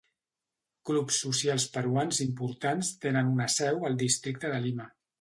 Clubs socials peruans importants tenen una seu al districte de Lima.